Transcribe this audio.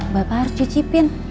bapak harus cucipin